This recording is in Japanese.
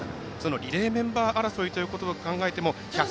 リレーメンバー争いということを考えても１００、